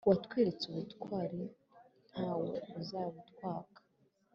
Watweretse ubutwari ntawe uzabutwaka